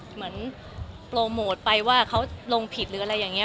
เหมือนโปรโมทไปว่าเขาลงผิดหรืออะไรอย่างนี้